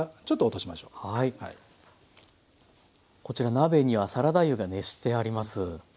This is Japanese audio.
こちら鍋にはサラダ油が熱してあります。